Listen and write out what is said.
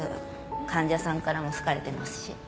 患者さんからも好かれてますし。